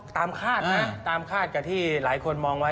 คาดนะตามคาดกับที่หลายคนมองไว้